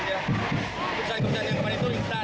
keputusan keputusan yang kemarin itu instan ya